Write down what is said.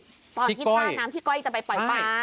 กันกับภาพในกล้องวงจรปิดตอนที่ท่าน้ำที่ก้อยจะไปปล่อยปลา